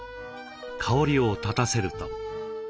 香りを立たせると。